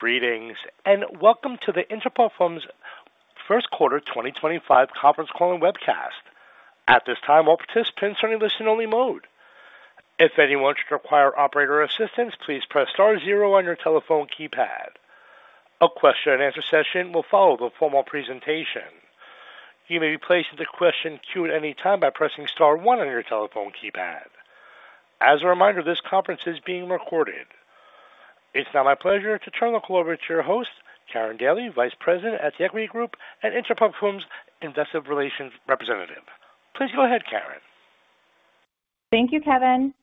Greetings, and welcome to the Inter Parfums First Quarter 2025 Conference Call and Webcast. At this time, all participants are in listen-only mode. If anyone should require operator assistance, please press star zero on your telephone keypad. A question-and-answer session will follow the formal presentation. You may be placed into question queue at any time by pressing star one on your telephone keypad. As a reminder, this conference is being recorded. It's now my pleasure to turn the call over to your host, Karin Daly, Vice President at Equity Group Advisors and Inter Parfums Investor Relations Representative. Please go ahead, Karin. Thank you, Kevin.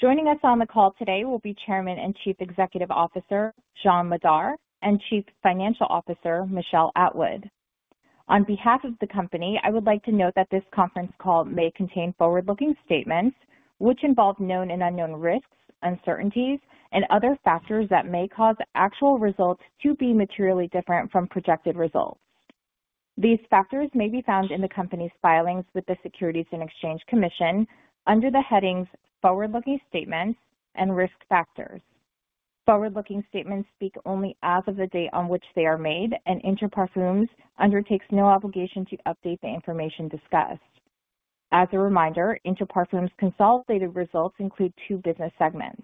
Joining us on the call today will be Chairman and Chief Executive Officer Jean Madar and Chief Financial Officer Michel Atwood. On behalf of the company, I would like to note that this conference call may contain forward-looking statements which involve known and unknown risks, uncertainties, and other factors that may cause actual results to be materially different from projected results. These factors may be found in the company's filings with the Securities and Exchange Commission under the headings Forward-Looking Statements and Risk Factors. Forward-looking statements speak only as of the date on which they are made, and Inter Parfums undertakes no obligation to update the information discussed. As a reminder, Inter Parfums' consolidated results include two business segments: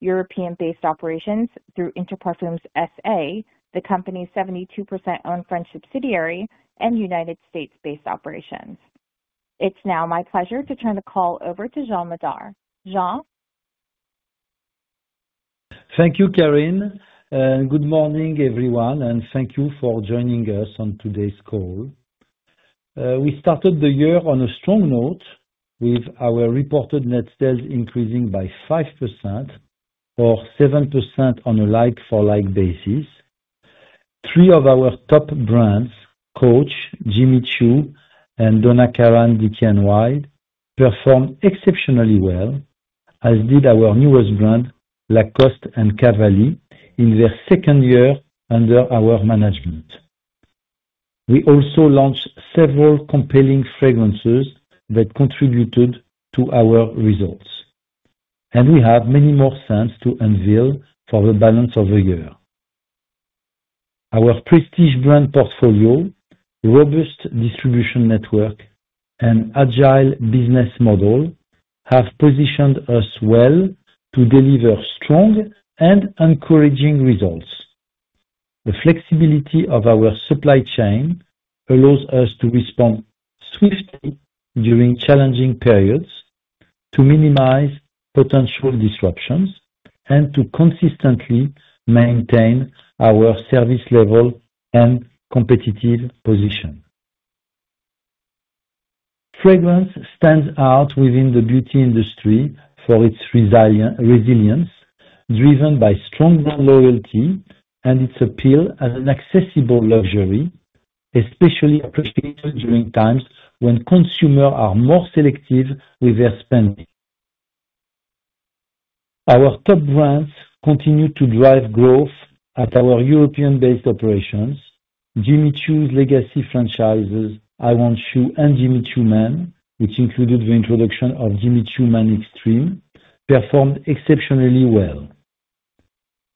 European-based operations through Inter Parfums S.A., the company's 72% owned French subsidiary, and United States-based operations. It's now my pleasure to turn the call over to Jean Madar. Jean? Thank you, Karin. Good morning, everyone, and thank you for joining us on today's call. We started the year on a strong note, with our reported net sales increasing by 5% or 7% on a like-for-like basis. Three of our top brands, Coach, Jimmy Choo, and Donna Karan DKNY, performed exceptionally well, as did our newest brand, Lacoste, in their second year under our management. We also launched several compelling fragrances that contributed to our results, and we have many more scents to unveil for the balance of the year. Our prestige brand portfolio, robust distribution network, and agile business model have positioned us well to deliver strong and encouraging results. The flexibility of our supply chain allows us to respond swiftly during challenging periods, to minimize potential disruptions, and to consistently maintain our service level and competitive position. Fragrance stands out within t he beauty industry for its resilience, driven by strong brand loyalty, and its appeal as an accessible luxury, especially appreciated during times when consumers are more selective with their spending. Our top brands continue to drive growth at our European-based operations. Jimmy Choo's legacy franchises, I Want Choo and Jimmy Choo Man, which included the introduction of Jimmy Choo Man Extreme, performed exceptionally well.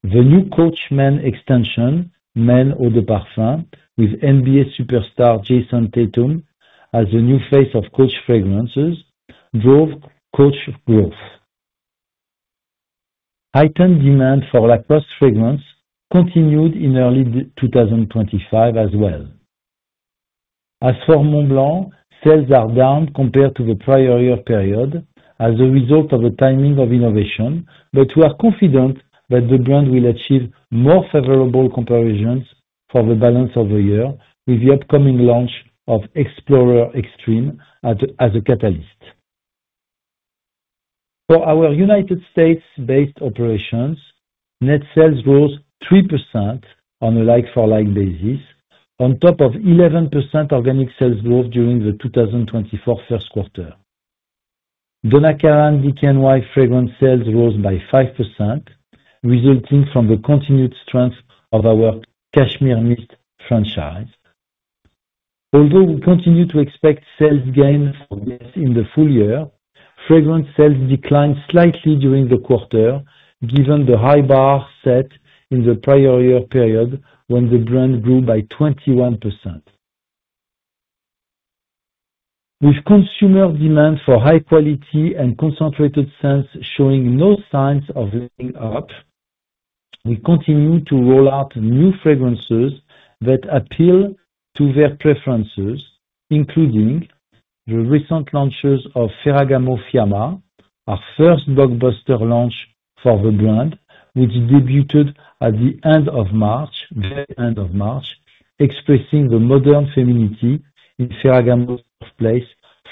The new Coach Man extension, Man Eau de Parfum, with NBA superstar Jason Tatum as the new face of Coach fragrances, drove Coach growth. Heightened demand for Lacoste fragrance continued in early 2025 as well. As for Montblanc, sales are down compared to the prior year period as a result of the timing of innovation, but we are confident that the brand will achieve more favorable comparisons for the balance of the year with the upcoming launch of Explorer Extreme as a catalyst. For our U.S.-based operations, net sales rose 3% on a like-for-like basis, on top of 11% organic sales growth during the 2024 first quarter. Donna Karan DKNY fragrance sales rose by 5%, resulting from the continued strength of our Cashmere Mist franchise. Although we continue to expect sales gains in the full year, fragrance sales declined slightly during the quarter, given the high bar set in the prior year period when the brand grew by 21%. With consumer demand for high-quality and concentrated scents showing no signs of letting up, we continue to roll out new fragrances that appeal to their preferences, including the recent launches of Ferragamo Fiamma, our first blockbuster launch for the brand, which debuted at the end of March, expressing the modern femininity in Ferragamo's place,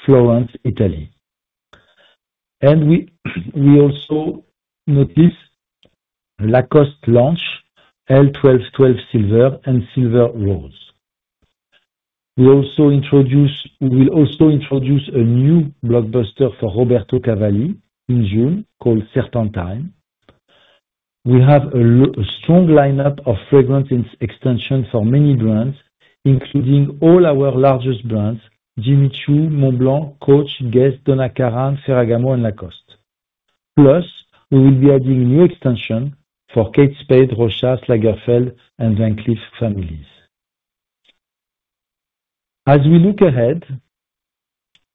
Florence, Italy. We also notice Lacoste launch L.12.12 Silver and Silver Rose. We will also introduce a new blockbuster for Roberto Cavalli in June called Serpentine. We have a strong lineup of fragrance extensions for many brands, including all our largest brands: Jimmy Choo, Montblanc, Coach, Guess, Donna Karan, Ferragamo, and Lacoste. Plus, we will be adding a new extension for Kate Spade, Rochas, Lagerfeld, and Van Cleef families. As we look ahead,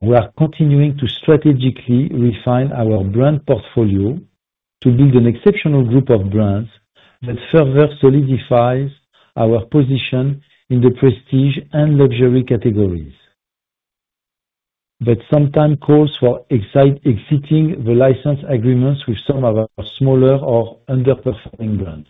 we are continuing to strategically refine our brand portfolio to build an exceptional group of brands that further solidifies our position in the prestige and luxury categories. Sometimes this calls for exceeding the license agreements with some of our smaller or underperforming brands.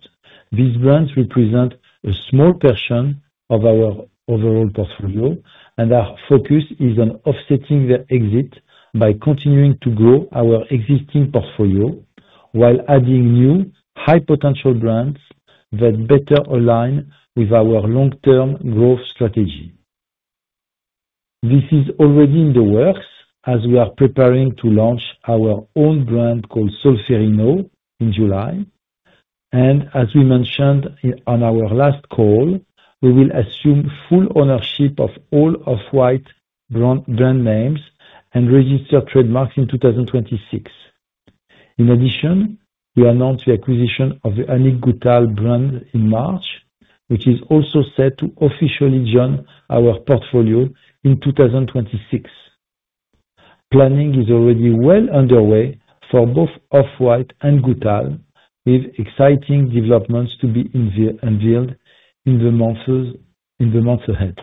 These brands represent a small portion of our overall portfolio, and our focus is on offsetting their exit by continuing to grow our existing portfolio while adding new, high-potential brands that better align with our long-term growth strategy. This is already in the works as we are preparing to launch our own brand called Solférino in July. As we mentioned on our last call, we will assume full ownership of all Off-White brand names and register trademarks in 2026. In addition, we announced the acquisition of the Annick Goutal brand in March, which is also set to officially join our portfolio in 2026. Planning is already well underway for both Off-White and Goutal, with exciting developments to be unveiled in the months ahead.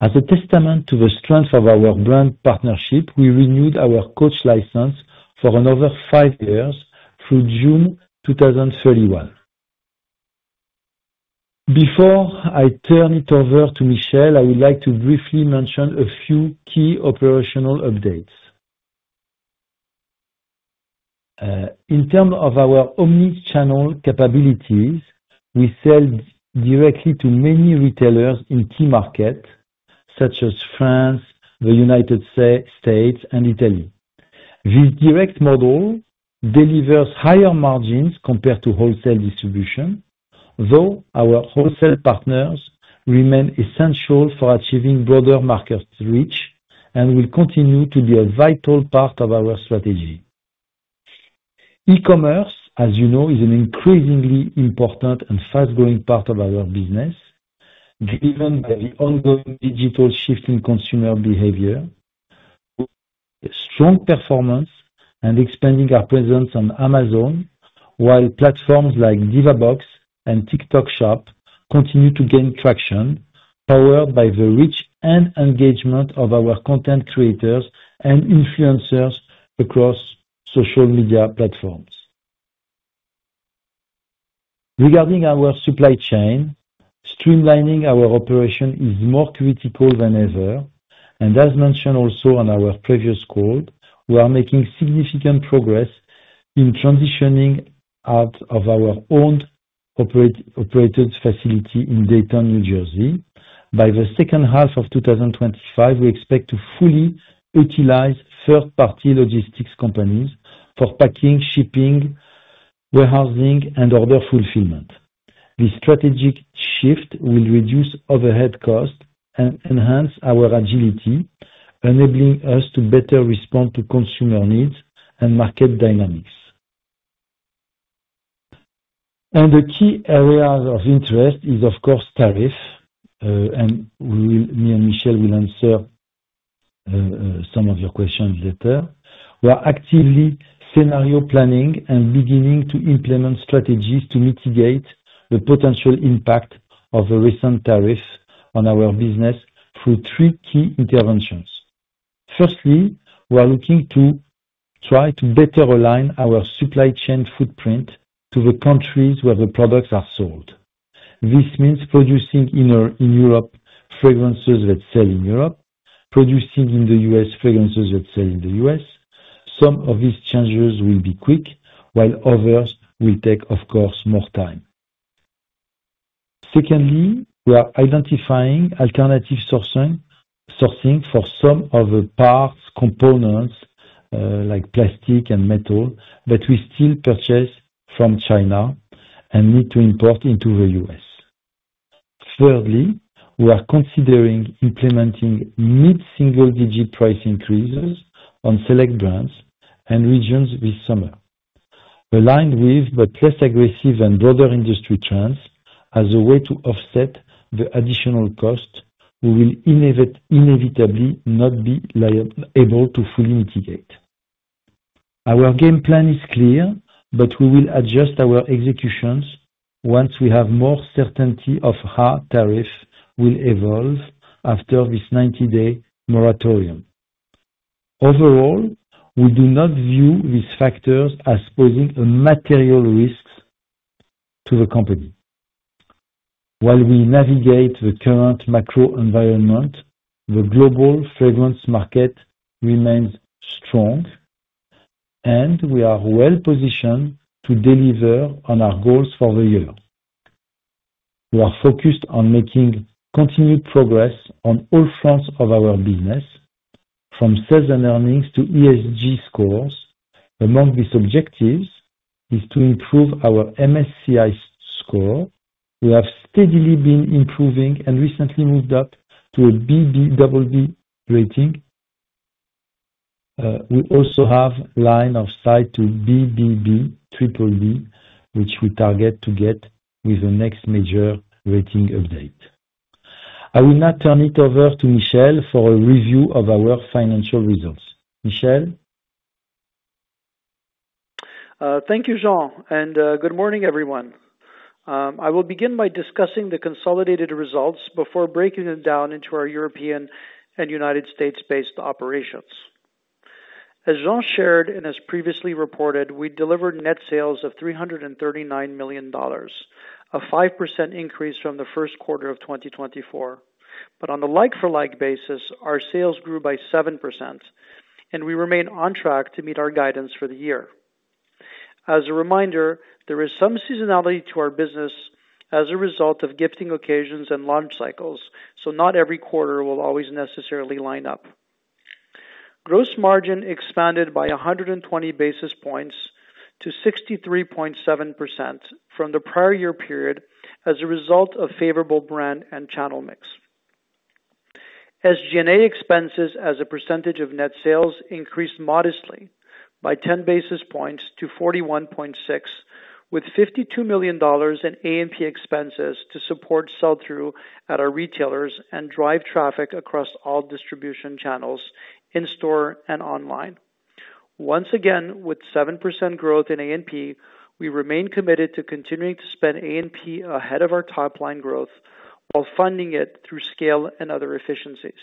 As a testament to the strength of our brand partnership, we renewed our Coach license for another five years through June 2031. Before I turn it over to Michel, I would like to briefly mention a few key operational updates. In terms of our omnichannel capabilities, we sell directly to many retailers in key markets such as France, the United States, and Italy. This direct model delivers higher margins compared to wholesale distribution, though our wholesale partners remain essential for achieving broader market reach and will continue to be a vital part of our strategy. E-commerce, as you know, is an increasingly important and fast-growing part of our business, driven by the ongoing digital shift in consumer behavior. Strong performance and expanding our presence on Amazon, while platforms like Divabox and TikTok Shop continue to gain traction, powered by the reach and engagement of our content creators and influencers across social media platforms. Regarding our supply chain, streamlining our operation is more critical than ever, and as mentioned also on our previous call, we are making significant progress in transitioning out of our own operated facility in Dayton, New Jersey. By the second half of 2025, we expect to fully utilize third-party logistics companies for packing, shipping, warehousing, and order fulfillment. This strategic shift will reduce overhead costs and enhance our agility, enabling us to better respond to consumer needs and market dynamics. The key area of interest is, of course, tariff, and me and Michel will answer some of your questions later. We are actively scenario planning and beginning to implement strategies to mitigate the potential impact of the recent tariff on our business through three key interventions. Firstly, we are looking to try to better align our supply chain footprint to the countries where the products are sold. This means producing in Europe fragrances that sell in Europe, producing in the US fragrances that sell in the US. Some of these changes will be quick, while others will take, of course, more time. Secondly, we are identifying alternative sourcing for some of the parts, components, like plastic and metal, that we still purchase from China and need to import into the US. Thirdly, we are considering implementing mid-single-digit price increases on select brands and regions this summer, aligned with the less aggressive and broader industry trends as a way to offset the additional costs we will inevitably not be able to fully mitigate. Our game plan is clear, but we will adjust our executions once we have more certainty of how tariffs will evolve after this 90-day moratorium. Overall, we do not view these factors as posing material risks to the company. While we navigate the current macro environment, the global fragrance market remains strong, and we are well positioned to deliver on our goals for the year. We are focused on making continued progress on all fronts of our business, from sales and earnings to ESG scores. Among these objectives is to improve our MSCI score. We have steadily been improving and recently moved up to a BBB rating. We also have a line of sight to BBB, which we target to get with the next major rating update. I will now turn it over to Michel for a review of our financial results. Michel? Thank you, Jean, and good morning, everyone. I will begin by discussing the consolidated results before breaking them down into our European and United States-based operations. As Jean shared and has previously reported, we delivered net sales of $339 million, a 5% increase from the first quarter of 2024. On a like-for-like basis, our sales grew by 7%, and we remain on track to meet our guidance for the year. As a reminder, there is some seasonality to our business as a result of gifting occasions and launch cycles, so not every quarter will always necessarily line up. Gross margin expanded by 120 basis points to 63.7% from the prior year period as a result of favorable brand and channel mix. SG&A expenses as a percentage of net sales increased modestly by 10 basis points to 41.6%, with $52 million in A&P expenses to support sell-through at our retailers and drive traffic across all distribution channels in store and online. Once again, with 7% growth in A&P, we remain committed to continuing to spend A&P ahead of our top-line growth while funding it through scale and other efficiencies.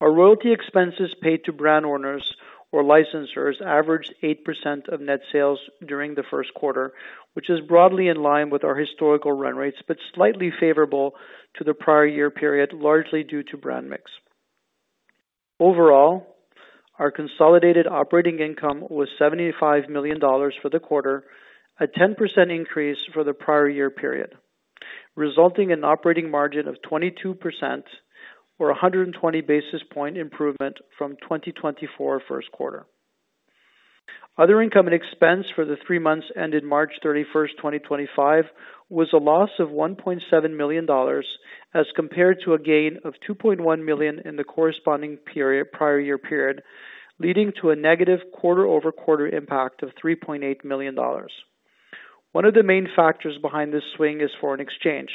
Our royalty expenses paid to brand owners or licensors averaged 8% of net sales during the first quarter, which is broadly in line with our historical run rates but slightly favorable to the prior year period, largely due to brand mix. Overall, our consolidated operating income was $75 million for the quarter, a 10% increase from the prior year period, resulting in an operating margin of 22% or 120 basis point improvement from 2024 first quarter. Other income and expense for the three months ended March 31, 2025, was a loss of $1.7 million as compared to a gain of $2.1 million in the corresponding prior year period, leading to a negative quarter-over-quarter impact of $3.8 million. One of the main factors behind this swing is foreign exchange.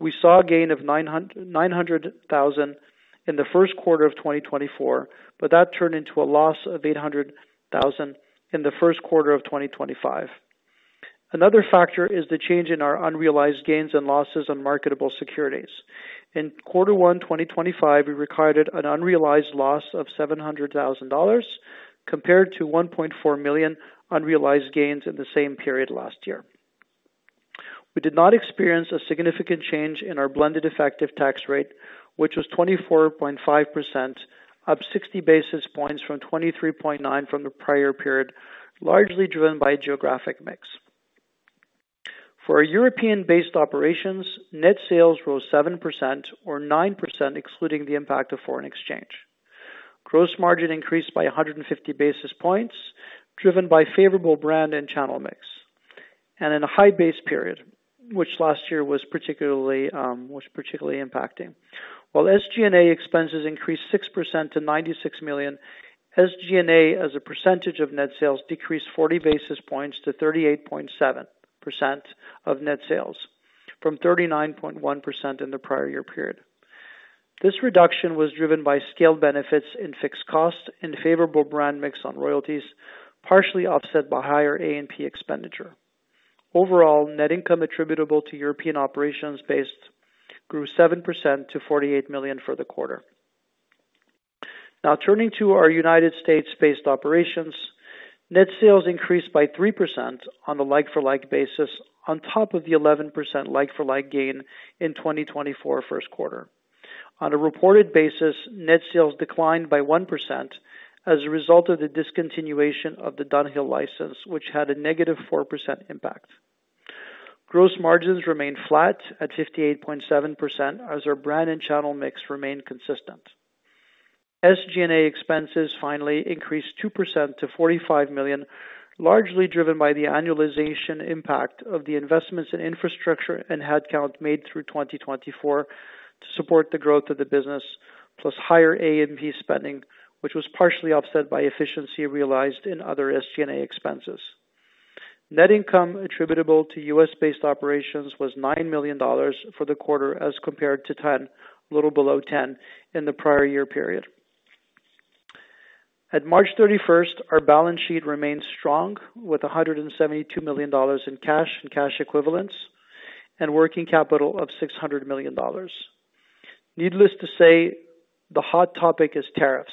We saw a gain of $900,000 in the first quarter of 2024, but that turned into a loss of $800,000 in the first quarter of 2025. Another factor is the change in our unrealized gains and losses on marketable securities. In quarter one 2025, we recorded an unrealized loss of $700,000 compared to $1.4 million unrealized gains in the same period last year. We did not experience a significant change in our blended effective tax rate, which was 24.5%, up 60 basis points from 23.9% from the prior period, largely driven by geographic mix. For our European-based operations, net sales rose 7% or 9%, excluding the impact of foreign exchange. Gross margin increased by 150 basis points, driven by favorable brand and channel mix, and in a high base period, which last year was particularly impacting. While SG&A expenses increased 6% to 96 million, SG&A as a percentage of net sales decreased 40 basis points to 38.7% of net sales from 39.1% in the prior year period. This reduction was driven by scaled benefits in fixed costs and favorable brand mix on royalties, partially offset by higher A&P expenditure. Overall, net income attributable to European operations based grew 7% to 48 million for the quarter. Now turning to our U.S.-based operations, net sales increased by 3% on a like-for-like basis on top of the 11% like-for-like gain in 2024 first quarter. On a reported basis, net sales declined by 1% as a result of the discontinuation of the Dunhill license, which had a negative 4% impact. Gross margins remained flat at 58.7% as our brand and channel mix remained consistent. SG&A expenses finally increased 2% to $45 million, largely driven by the annualization impact of the investments in infrastructure and headcount made through 2024 to support the growth of the business, plus higher A&P spending, which was partially offset by efficiency realized in other SG&A expenses. Net income attributable to US-based operations was $9 million for the quarter as compared to $10 million, a little below $10 million, in the prior year period. At March 31, our balance sheet remained strong with $172 million in cash and cash equivalents and working capital of $600 million. Needless to say, the hot topic is tariffs.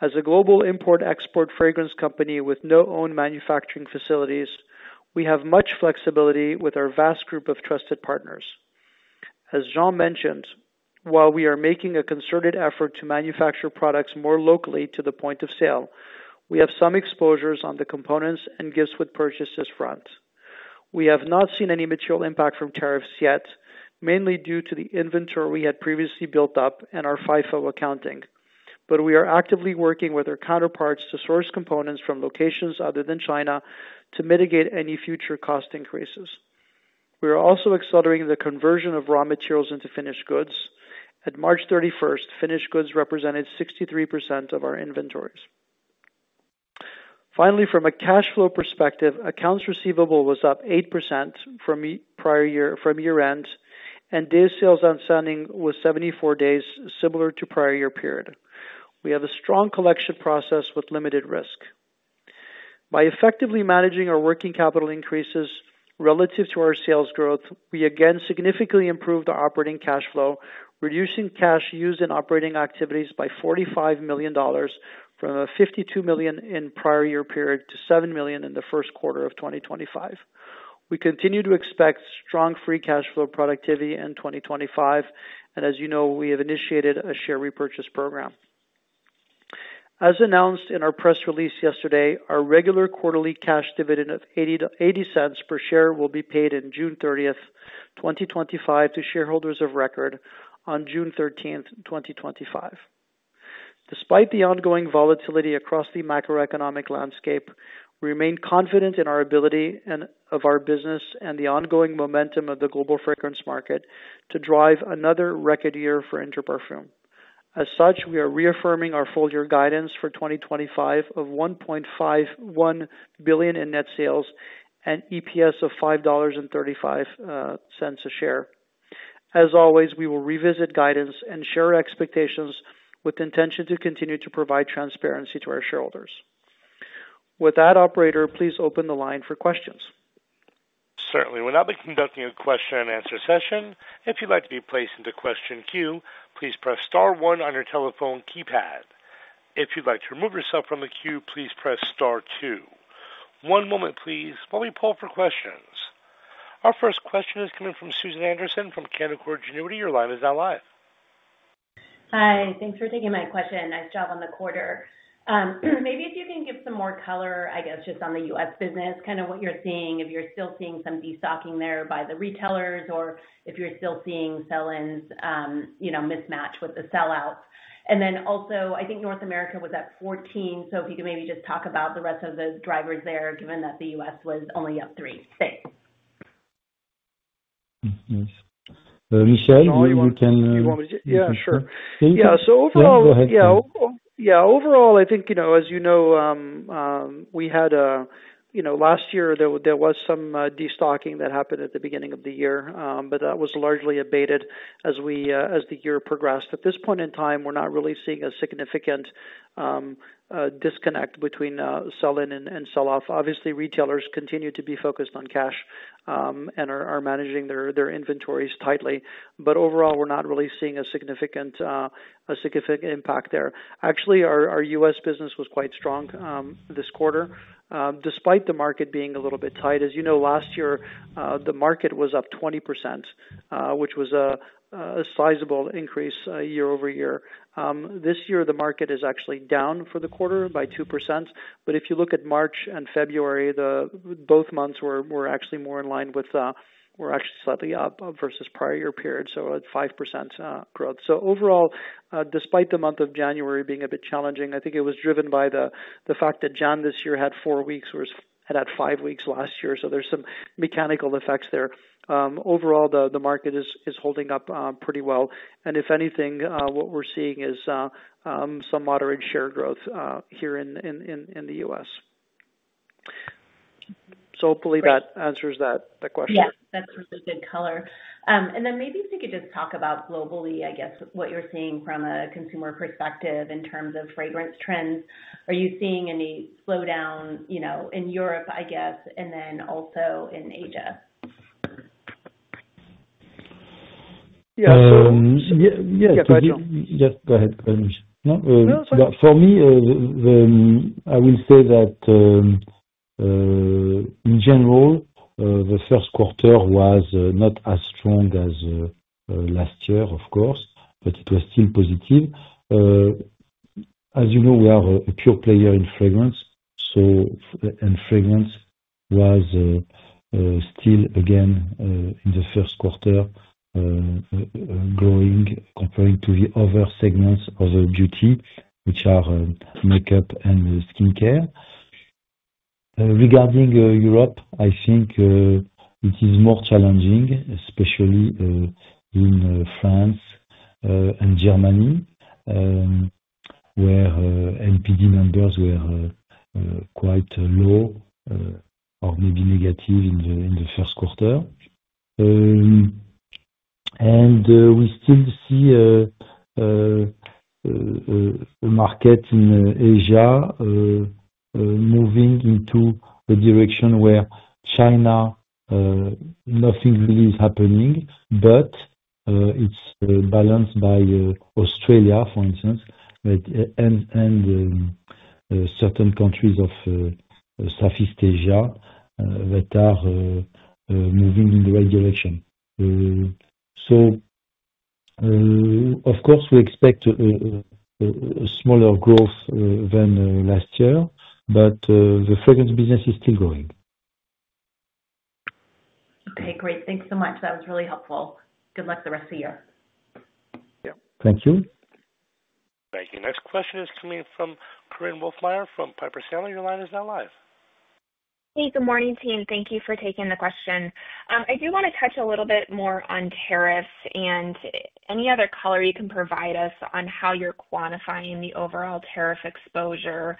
As a global import-export fragrance company with no own manufacturing facilities, we have much flexibility with our vast group of trusted partners. As Jean mentioned, while we are making a concerted effort to manufacture products more locally to the point of sale, we have some exposures on the components and gifts with purchases front. We have not seen any material impact from tariffs yet, mainly due to the inventory we had previously built up and our FIFO accounting, but we are actively working with our counterparts to source components from locations other than China to mitigate any future cost increases. We are also accelerating the conversion of raw materials into finished goods. At March 31, finished goods represented 63% of our inventories. Finally, from a cash flow perspective, accounts receivable was up 8% from year-end, and day of sales outstanding was 74 days, similar to prior year period. We have a strong collection process with limited risk. By effectively managing our working capital increases relative to our sales growth, we again significantly improved our operating cash flow, reducing cash used in operating activities by $45 million from a $52 million in prior year period to $7 million in the first quarter of 2025. We continue to expect strong free cash flow productivity in 2025, and as you know, we have initiated a share repurchase program. As announced in our press release yesterday, our regular quarterly cash dividend of $0.80 per share will be paid on June 30, 2025, to shareholders of record on June 13, 2025. Despite the ongoing volatility across the macroeconomic landscape, we remain confident in our ability of our business and the ongoing momentum of the global fragrance market to drive another record year for Inter Parfums. As such, we are reaffirming our full-year guidance for 2025 of $1.51 billion in net sales and EPS of $5.35 a share. As always, we will revisit guidance and share expectations with intention to continue to provide transparency to our shareholders. With that, Operator, please open the line for questions. Certainly. We're now conducting a question-and-answer session. If you'd like to be placed into the question queue, please press star one on your telephone keypad. If you'd like to remove yourself from the queue, please press star two. One moment, please, while we pull up for questions. Our first question is coming from Susan Anderson from Canaccord Genuity. Your line is now live. Hi. Thanks for taking my question. Nice job on the quarter. Maybe if you can give some more color, I guess, just on the U.S. business, kind of what you're seeing, if you're still seeing some de-stocking there by the retailers or if you're still seeing sell-ins mismatch with the sell-outs. Also, I think North America was at 14, so if you could maybe just talk about the rest of the drivers there, given that the U.S. was only up three. Thanks. Michel, we can. Yeah, sure. Yeah, so overall. Yeah, overall, I think, as you know, we had last year, there was some de-stocking that happened at the beginning of the year, but that was largely abated as the year progressed. At this point in time, we're not really seeing a significant disconnect between sell-in and sell-off. Obviously, retailers continue to be focused on cash and are managing their inventories tightly, but overall, we're not really seeing a significant impact there. Actually, our U.S. business was quite strong this quarter, despite the market being a little bit tight. As you know, last year, the market was up 20%, which was a sizable increase year over year. This year, the market is actually down for the quarter by 2%, but if you look at March and February, both months were actually more in line with, were actually slightly up versus prior year period, so at 5% growth. Overall, despite the month of January being a bit challenging, I think it was driven by the fact that Jean this year had four weeks versus had five weeks last year, so there's some mechanical effects there. Overall, the market is holding up pretty well. If anything, what we're seeing is some moderate share growth here in the U.S. Hopefully that answers that question. Yeah, that's really good color. Maybe if you could just talk about globally, I guess, what you're seeing from a consumer perspective in terms of fragrance trends. Are you seeing any slowdown in Europe, I guess, and then also in Asia? Yeah, so. Yes, go ahead, go ahead, Michel. No, for me, I will say that in general, the first quarter was not as strong as last year, of course, but it was still positive. As you know, we are a pure player in fragrance, and fragrance was still, again, in the first quarter growing compared to the other segments of the duty, which are makeup and skincare. Regarding Europe, I think it is more challenging, especially in France and Germany, where NPD numbers were quite low or maybe negative in the first quarter. We still see the market in Asia moving into the direction where China, nothing really is happening, but it is balanced by Australia, for instance, and certain countries of Southeast Asia that are moving in the right direction. Of course, we expect a smaller growth than last year, but the fragrance business is still growing. Okay, great. Thanks so much. That was really helpful. Good luck the rest of the year. Yeah, thank you. Thank you. Next question is coming from Karin Wolfmeyer from Piper Sandler. Your line is now live. Hey, good morning, team. Thank you for taking the question. I do want to touch a little bit more on tariffs and any other color you can provide us on how you're quantifying the overall tariff exposure,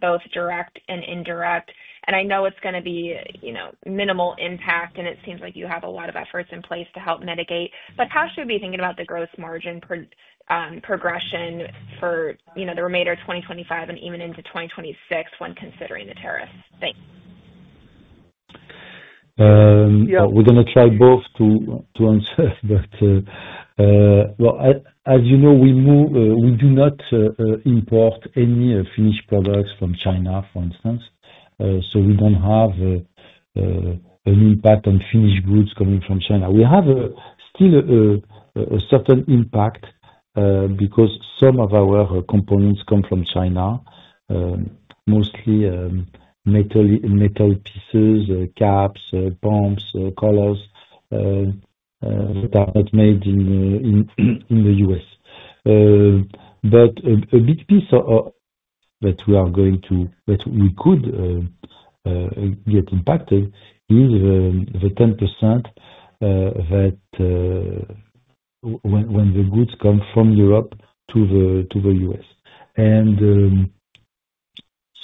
both direct and indirect. I know it's going to be minimal impact, and it seems like you have a lot of efforts in place to help mitigate. How should we be thinking about the gross margin progression for the remainder of 2025 and even into 2026 when considering the tariffs? Thanks. Yeah, we're going to try both to answer, but as you know, we do not import any finished products from China, for instance, so we don't have an impact on finished goods coming from China. We have still a certain impact because some of our components come from China, mostly metal pieces, caps, pumps, colors that are not made in the U.S. A big piece that we are going to, that we could get impacted is the 10% that when the goods come from Europe to the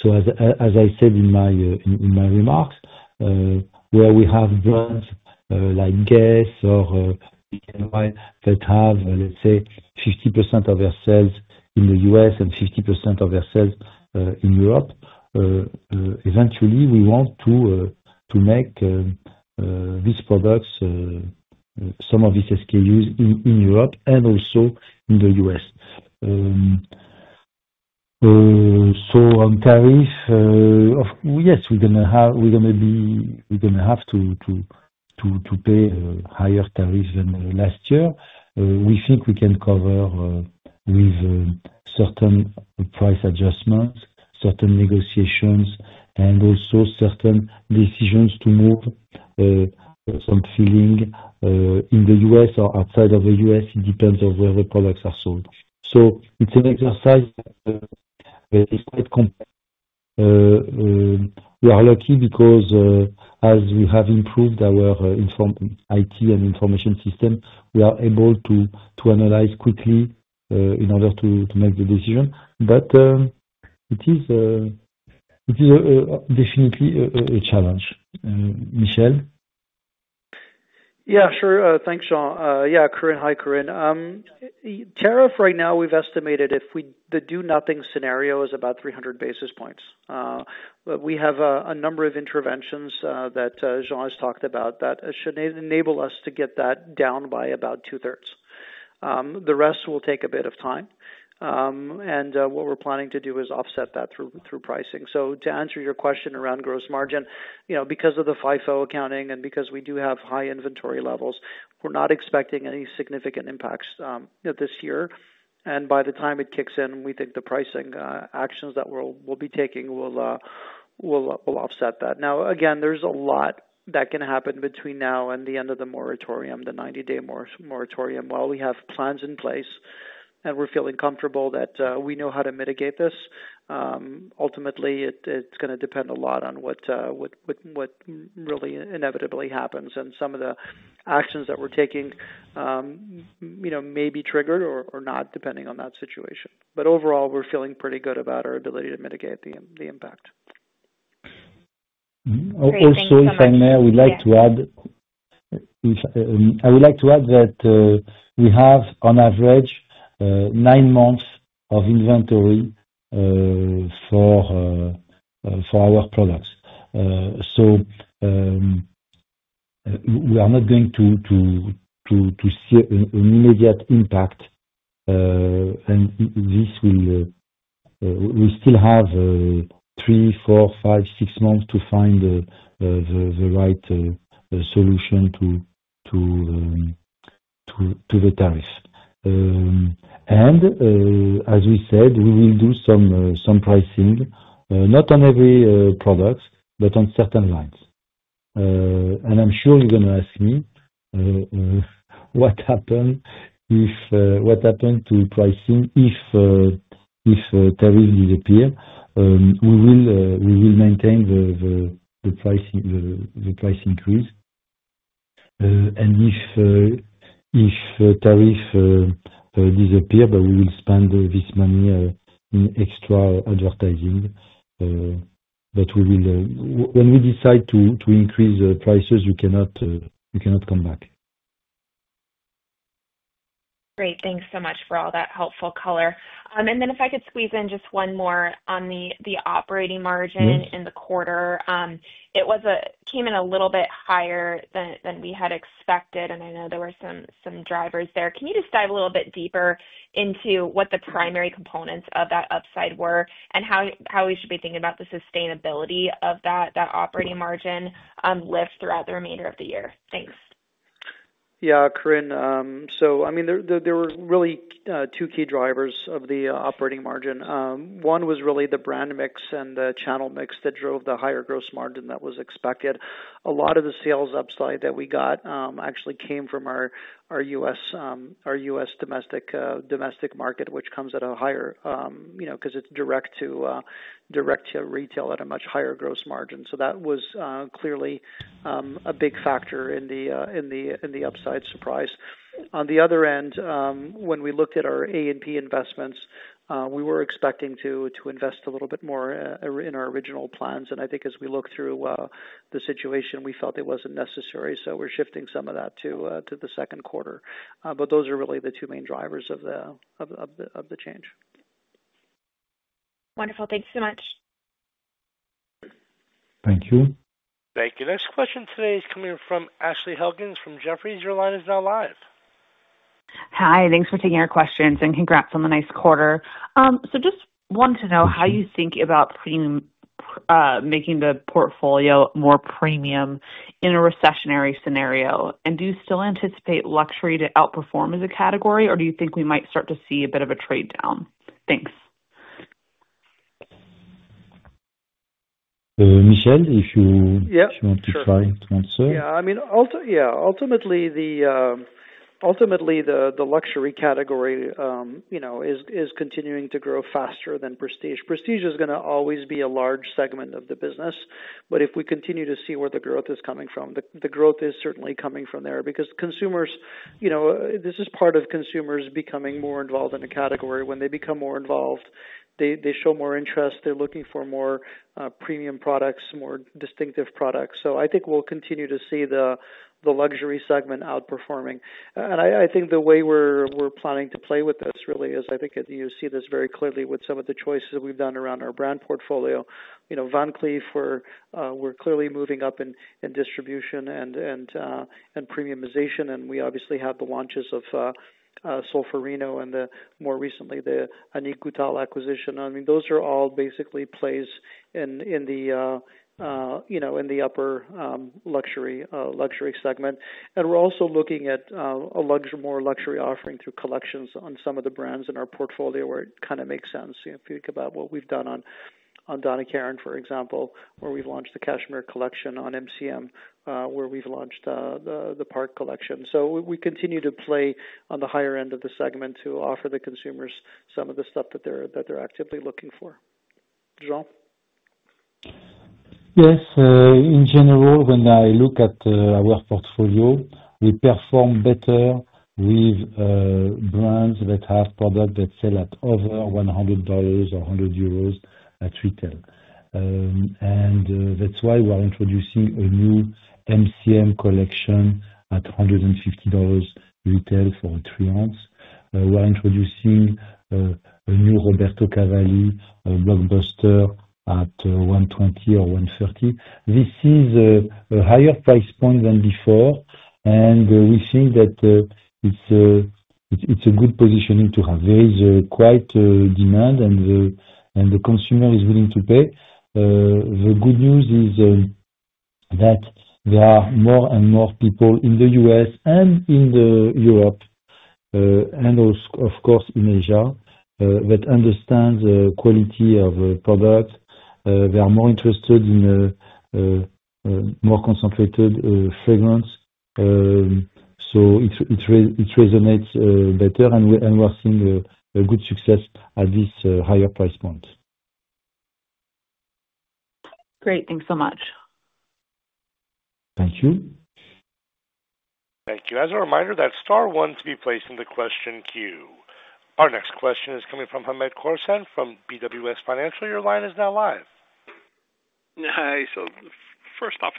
U.S. As I said in my remarks, where we have brands like Guess or DKNY that have, let's say, 50% of their sales in the U.S. and 50% of their sales in Europe, eventually, we want to make these products, some of these SKUs, in Europe and also in the U.S. On tariff, yes, we're going to have to pay higher tariffs than last year. We think we can cover with certain price adjustments, certain negotiations, and also certain decisions to move some filling in the US or outside of the US. It depends on where the products are sold. It is an exercise that is quite complex. We are lucky because as we have improved our IT and information system, we are able to analyze quickly in order to make the decision. It is definitely a challenge. Michel. Yeah, sure. Thanks, Jean. Yeah, Karin, hi, Karin. Tariff right now, we've estimated if we do nothing scenario is about 300 basis points. We have a number of interventions that Jean has talked about that should enable us to get that down by about two-thirds. The rest will take a bit of time. What we're planning to do is offset that through pricing. To answer your question around gross margin, because of the FIFO accounting and because we do have high inventory levels, we're not expecting any significant impacts this year. By the time it kicks in, we think the pricing actions that we'll be taking will offset that. Now, again, there's a lot that can happen between now and the end of the moratorium, the 90-day moratorium. While we have plans in place and we're feeling comfortable that we know how to mitigate this, ultimately, it's going to depend a lot on what really inevitably happens. Some of the actions that we're taking may be triggered or not, depending on that situation. Overall, we're feeling pretty good about our ability to mitigate the impact. Also, if I may, I would like to add that we have, on average, nine months of inventory for our products. We are not going to see an immediate impact, and we still have three, four, five, six months to find the right solution to the tariff. As we said, we will do some pricing, not on every product, but on certain lines. I am sure you are going to ask me what happens to pricing if tariffs disappear. We will maintain the price increase. If tariffs disappear, we will spend this money in extra advertising. When we decide to increase prices, you cannot come back. Great. Thanks so much for all that helpful color. If I could squeeze in just one more on the operating margin in the quarter, it came in a little bit higher than we had expected, and I know there were some drivers there. Can you just dive a little bit deeper into what the primary components of that upside were and how we should be thinking about the sustainability of that operating margin lift throughout the remainder of the year? Thanks. Yeah, Karin. I mean, there were really two key drivers of the operating margin. One was really the brand mix and the channel mix that drove the higher gross margin that was expected. A lot of the sales upside that we got actually came from our US domestic market, which comes at a higher because it's direct to retail at a much higher gross margin. That was clearly a big factor in the upside surprise. On the other end, when we looked at our A&P investments, we were expecting to invest a little bit more in our original plans. I think as we look through the situation, we felt it wasn't necessary, so we're shifting some of that to the second quarter. Those are really the two main drivers of the change. Wonderful. Thanks so much. Thank you. Thank you. Next question today is coming from Ashley Helkins from Jefferies. Your line is now live. Hi. Thanks for taking our questions and congrats on the nice quarter. Just wanted to know how you think about making the portfolio more premium in a recessionary scenario. Do you still anticipate luxury to outperform as a category, or do you think we might start to see a bit of a trade-down? Thanks. Michel, if you want to try to answer. Yeah. I mean, yeah, ultimately, the luxury category is continuing to grow faster than prestige. Prestige is going to always be a large segment of the business, but if we continue to see where the growth is coming from, the growth is certainly coming from there because consumers, this is part of consumers becoming more involved in a category. When they become more involved, they show more interest. They're looking for more premium products, more distinctive products. I think we'll continue to see the luxury segment outperforming. I think the way we're planning to play with this really is I think you see this very clearly with some of the choices that we've done around our brand portfolio. Van Cleef, we're clearly moving up in distribution and premiumization. We obviously have the launches of Solférino and more recently, the Annick Goutal acquisition. I mean, those are all basically plays in the upper luxury segment. We are also looking at a more luxury offering through collections on some of the brands in our portfolio where it kind of makes sense. If you think about what we have done on Donna Karan, for example, where we have launched the Cashmere Collection, on MCM, where we have launched the Park Collection. We continue to play on the higher end of the segment to offer the consumers some of the stuff that they are actively looking for. Jean? Yes. In general, when I look at our portfolio, we perform better with brands that have products that sell at over $100 or 100 euros at retail. That is why we are introducing a new MCM collection at $150 retail for three months. We are introducing a new Roberto Cavalli blockbuster at $120 or $130. This is a higher price point than before, and we think that it is a good positioning to have. There is quite demand, and the consumer is willing to pay. The good news is that there are more and more people in the U.S. and in Europe and, of course, in Asia that understand the quality of products. They are more interested in more concentrated fragrance. It resonates better, and we are seeing good success at this higher price point. Great. Thanks so much. Thank you. Thank you. As a reminder, that is star one to be placed in the question queue. Our next question is coming from Hamed Korsan from BWS Financial. Your line is now live. Hi. First off,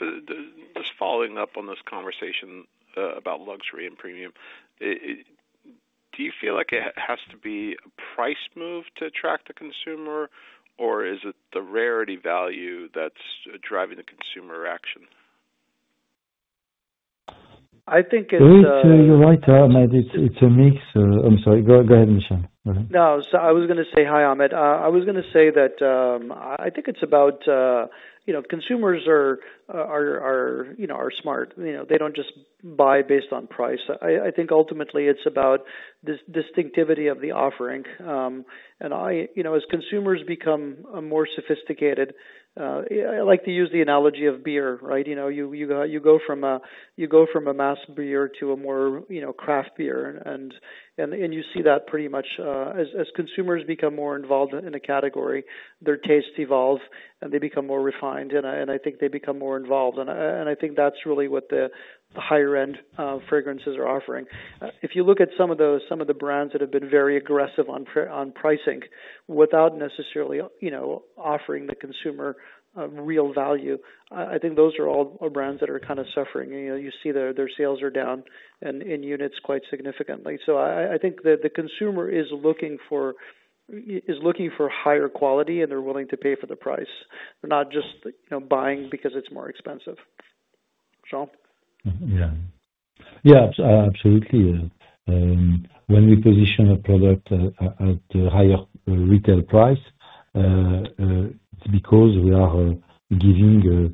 just following up on this conversation about luxury and premium, do you feel like it has to be a price move to attract the consumer, or is it the rarity value that's driving the consumer action? I think it's. You're right, Hamed. It's a mix. I'm sorry. Go ahead, Michel. No, I was going to say, hi, Hamed. I was going to say that I think it's about consumers are smart. They don't just buy based on price. I think ultimately, it's about the distinctivity of the offering. As consumers become more sophisticated, I like to use the analogy of beer, right? You go from a mass beer to a more craft beer, and you see that pretty much as consumers become more involved in a category, their tastes evolve, and they become more refined. I think they become more involved. I think that's really what the higher-end fragrances are offering. If you look at some of the brands that have been very aggressive on pricing without necessarily offering the consumer real value, I think those are all brands that are kind of suffering. You see their sales are down in units quite significantly. I think that the consumer is looking for higher quality, and they're willing to pay for the price. They're not just buying because it's more expensive. Jean? Yeah. Absolutely. When we position a product at a higher retail price, it's because we are giving,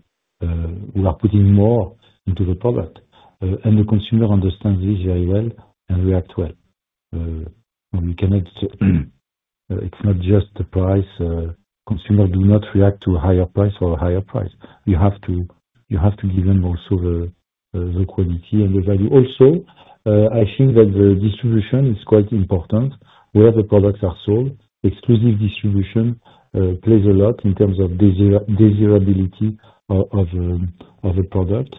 we are putting more into the product. And the consumer understands this very well and reacts well. It's not just the price. Consumers do not react to higher price for a higher price. You have to give them also the quality and the value. Also, I think that the distribution is quite important where the products are sold. Exclusive distribution plays a lot in terms of desirability of a product.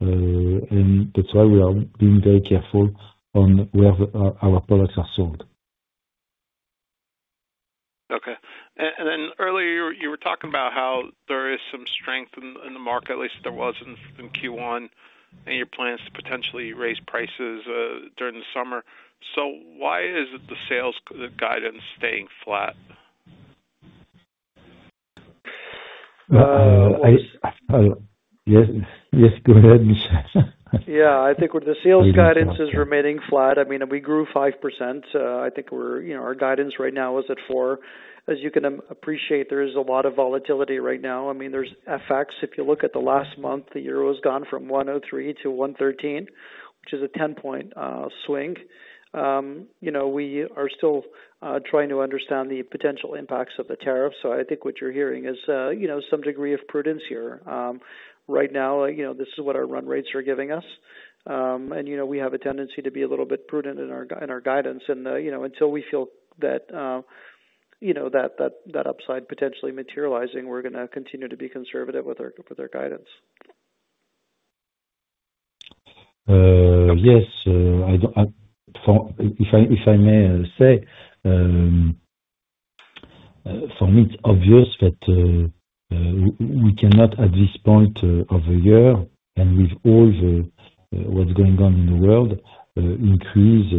That's why we are being very careful on where our products are sold. Okay. Earlier, you were talking about how there is some strength in the market, at least there was in Q1, and your plans to potentially raise prices during the summer. Why is the sales guidance staying flat? Yes, go ahead, Michel. Yeah. I think the sales guidance is remaining flat. I mean, we grew 5%. I think our guidance right now is at 4%. As you can appreciate, there is a lot of volatility right now. I mean, there's FX. If you look at the last month, the euro has gone from 1.03 to 1.13, which is a 10-point swing. We are still trying to understand the potential impacts of the tariff. I think what you're hearing is some degree of prudence here. Right now, this is what our run rates are giving us. We have a tendency to be a little bit prudent in our guidance. Until we feel that upside potentially materializing, we're going to continue to be conservative with our guidance. Yes. If I may say, for me, it's obvious that we cannot, at this point of the year, and with all what's going on in the world, increase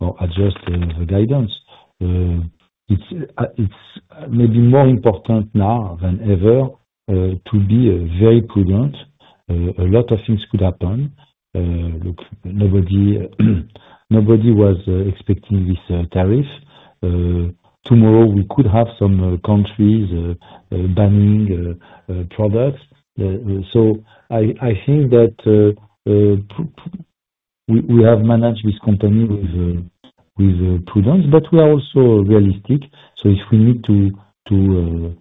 or adjust the guidance. It's maybe more important now than ever to be very prudent. A lot of things could happen. Nobody was expecting this tariff. Tomorrow, we could have some countries banning products. I think that we have managed this company with prudence, but we are also realistic. If we need to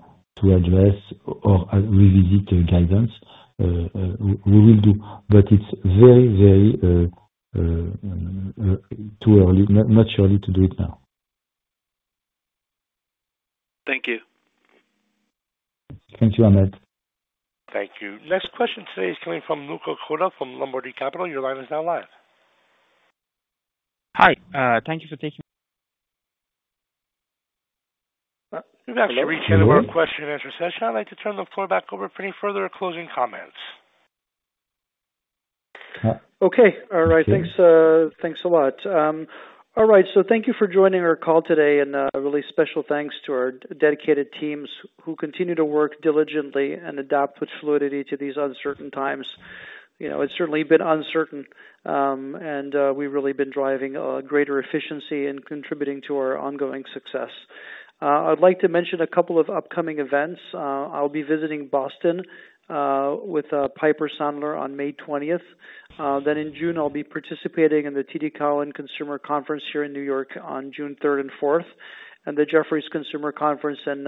address or revisit the guidance, we will do. It is very, very too early, much early to do it now. Thank you. Thank you, Hamed. Thank you. Next question today is coming from Luca Coda from Lombardi Capital. Your line is now live. Hi. Thank you for taking the. Congratulations on your question and answer session. I'd like to turn the floor back over for any further closing comments. Okay. All right. Thanks a lot. All right. Thank you for joining our call today. A really special thanks to our dedicated teams who continue to work diligently and adapt with fluidity to these uncertain times. It has certainly been uncertain, and we have really been driving greater efficiency and contributing to our ongoing success. I would like to mention a couple of upcoming events. I will be visiting Boston with Piper Sandler on May 20. In June, I will be participating in the TD Cowen Consumer Conference here in New York on June 3 and 4, and the Jefferies Consumer Conference in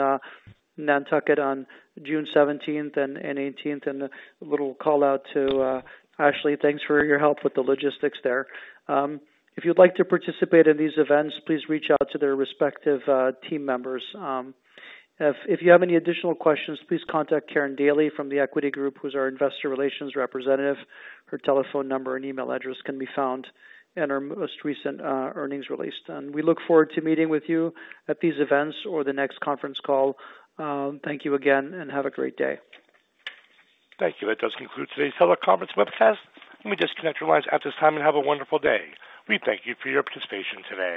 Nantucket on June 17 and 18. A little call out to Ashley. Thanks for your help with the logistics there. If you would like to participate in these events, please reach out to their respective team members. If you have any additional questions, please contact Karin Daly from Equity Group Advisors, who's our investor relations representative. Her telephone number and email address can be found in our most recent earnings release. We look forward to meeting with you at these events or the next conference call. Thank you again, and have a great day. Thank you. That does conclude today's teleconference webcast. Let me just disconnect your lines at this time and have a wonderful day. We thank you for your participation today.